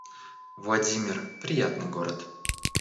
Владимир — приятный город